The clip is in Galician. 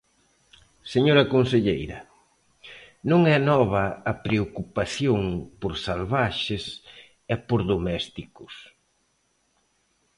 Señora conselleira, non é nova a preocupación por salvaxes e por domésticos.